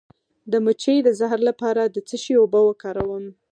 د مچۍ د زهر لپاره د څه شي اوبه وکاروم؟